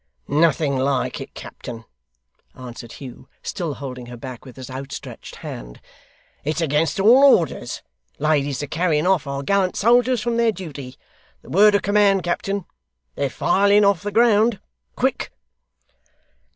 'Nothing like it, captain,' answered Hugh, still holding her back with his outstretched hand. 'It's against all orders. Ladies are carrying off our gallant soldiers from their duty. The word of command, captain! They're filing off the ground. Quick!